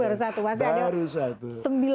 itu baru satu